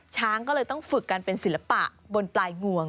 ช้างก็เลยต้องฝึกกันเป็นศิลปะบนปลายงวง